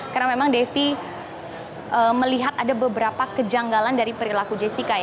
karena memang devi melihat ada beberapa kejanggalan dari perilaku jessica